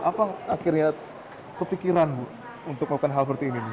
apa akhirnya kepikiran bu untuk melakukan hal seperti ini bu